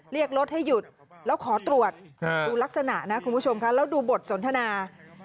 เรียกรถให้หยุดแล้วขอตรวจดูลักษณะดูบทสนทนา